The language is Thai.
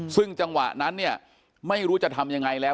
ซึ่งจังหวะนั้นเนี่ยไม่รู้จะทำยังไงแล้ว